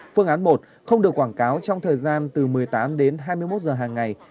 phương án một không được quảng cáo trong thời gian từ một mươi tám đến hai mươi một giờ hàng ngày